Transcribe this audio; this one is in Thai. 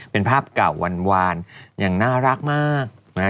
เป็นภาพเก่าวานอย่างน่ารักมากนะฮะ